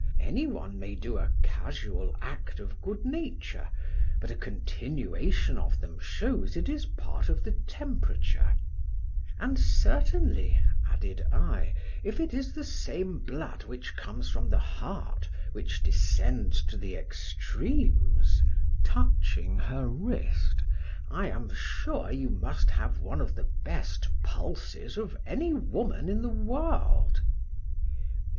Any one may do a casual act of good nature, but a continuation of them shows it is a part of the temperature; and certainly, added I, if it is the same blood which comes from the heart which descends to the extremes (touching her wrist) I am sure you must have one of the best pulses of any woman in the world.